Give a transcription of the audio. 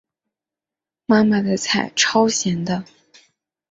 妈妈的菜超咸的